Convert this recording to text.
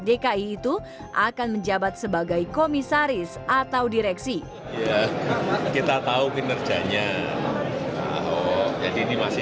dki itu akan menjabat sebagai komisaris atau direksi kita tahu kinerjanya jadi ini masih